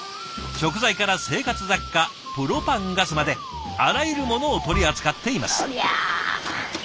食材から生活雑貨プロパンガスまであらゆるものを取り扱っています。